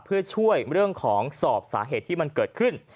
เพื่อช่วยเรื่องของสอบสาเหตุที่มันเกิดขึ้น